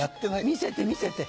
見せて見せて。